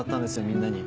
みんなに。